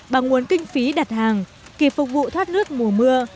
bằng nguồn kinh phí đặt hàng kịp phục vụ thoát nước mùa mưa